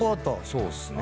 そうっすね。